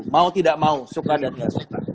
mau tidak mau suka dan nggak suka